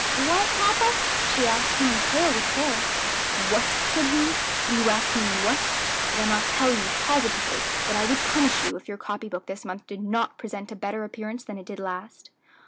"What, papa?" she asked, turning pale with terror. "What!" said he! "do you ask me what? Did I not tell you positively that I would punish you if your copy book this month did not present a better appearance than it did last?"